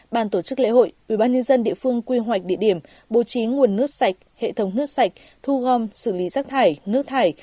bàn tổ chức lễ hội ubnd địa phương quy hoạch địa điểm bố trí nguồn nước sạch hệ thống nước sạch thu gom xử lý rác thải nước thải